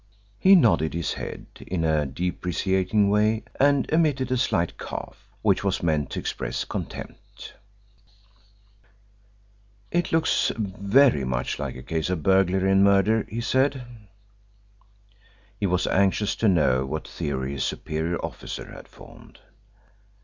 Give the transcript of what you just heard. He nodded his head in a deprecating way and emitted a slight cough which was meant to express contempt. "It looks very much like a case of burglary and murder," he said. He was anxious to know what theory his superior officer had formed.